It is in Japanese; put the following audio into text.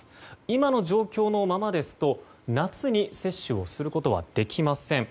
今の状況のままですと夏に接種をすることはできません。